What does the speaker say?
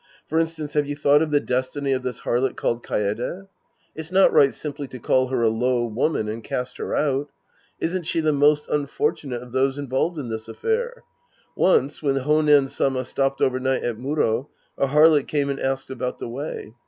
For instance, have you thought of the destiny of this harlot called Kaede ? It's not right simply to call her a low woman and cast her out. Isn't she the most unfortunate of those involved in this affair? Once when Honen Sama stopped over night at Muro, a harlot came and asked about the Way.